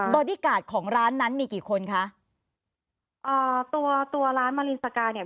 อดี้การ์ดของร้านนั้นมีกี่คนคะอ่าตัวตัวร้านมารินสกาเนี่ย